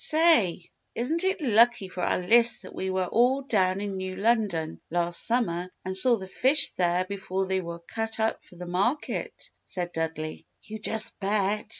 "Say, isn't it lucky for our lists that we were all down in New London last summer and saw the fish there before they were cut up for the market," said Dudley. "You just bet!